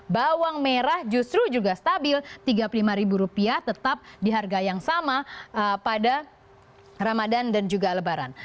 bawang merah justru juga stabil rp tiga puluh lima tetap di harga yang sama pada ramadan dan juga lebaran